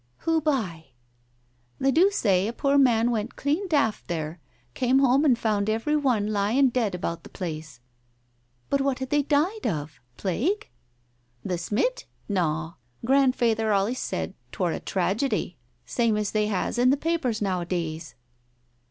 "Who by?" " They do say a poor man went clean daft there — came home and found every one lying dead about the place." " But what had they died of ? Plague ?" "The smit? Naw. Grandfeyther alius said 'twor a tragedy, same as they has in the papers now a days."